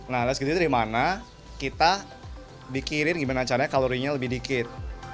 nah less guilty itu dimana kita bikirin gimana caranya kalorinya lebih dikit